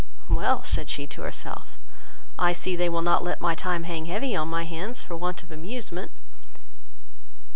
"Well, (said she to herself,) I see they will not let my time hang heavy on my hands for want of amusement."